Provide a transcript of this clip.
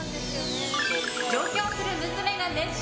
上京する娘が熱唱！